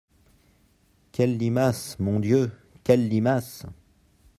Quelle limace, mon Dieu ! quelle limace !